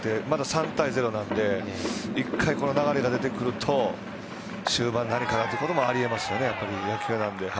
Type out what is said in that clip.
まだ３対０なので１回、流れが出てくると終盤、何かがということもあり得ますよね。